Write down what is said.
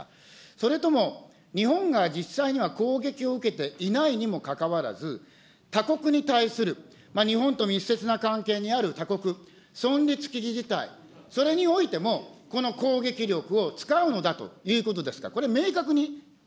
それとも日本が実際には、攻撃を受けていないにもかかわらず、他国に対する、日本と密接な関係にある他国、存立危機事態、それにおいても、この攻撃力を使うのだということですか。